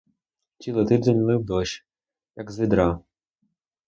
Цілий тиждень лив дощ, як з відра.